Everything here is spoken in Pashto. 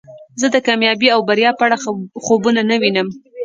زه د کامیابۍ او بریا په اړه خوبونه نه وینم.